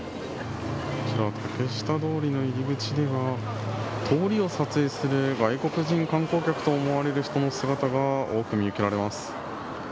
竹下通りの入り口には通りを撮影する外国人観光客と思われる人の姿が多く見受けられます。